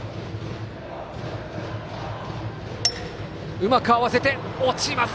うまく合わせて落ちました！